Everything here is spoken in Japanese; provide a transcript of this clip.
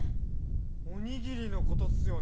おにぎりのことっすよね？